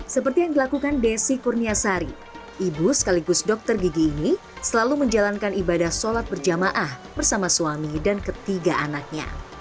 seperti yang dilakukan desi kurnia sari ibu sekaligus dokter gigi ini selalu menjalankan ibadah sholat berjamaah bersama suami dan ketiga anaknya